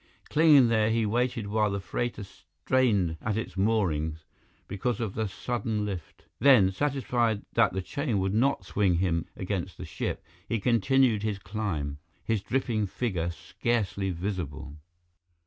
Clinging there, he waited while the freighter strained at its moorings, because of the sudden lift. Then, satisfied that the chain would not swing him against the ship, he continued his climb, his dripping figure scarcely visible.